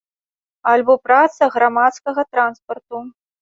Альбо праца грамадскага транспарту.